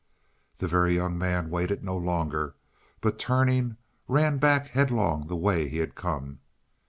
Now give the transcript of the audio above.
The Very Young Man waited no longer, but turning, ran back headlong the way he had come.